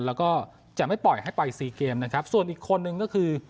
แล้วก็จะไม่ปล่อยให้ปล่อยสี่เกมนะครับส่วนอีกคนนึงก็คือ